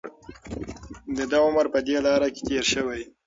د ده عمر په دې لاره کې تېر شوی.